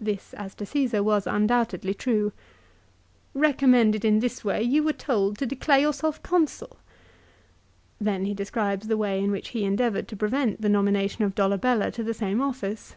This as to Caesar was undoubtedly true. " Recommended in this way you were told to declare yourself Consul." Then he describes the way in which he endeavoured to prevent the nomination of Dolabella to the same office.